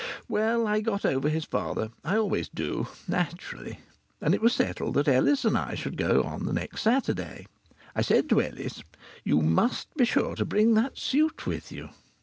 Well, I got over his father. I always do, naturally. And it was settled that Ellis and I should go on the next Saturday. I said to Ellis: "You must be sure to bring that suit with you."